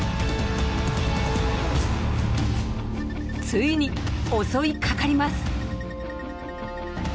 ついに襲いかかります。